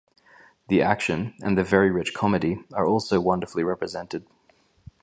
The action, and very rich comedy, are also wonderfully represented.